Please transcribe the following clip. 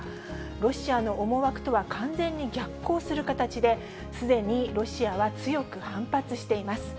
ロシアの思惑とは完全に逆行する形で、すでにロシアは強く反発しています。